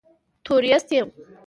تورېست یم.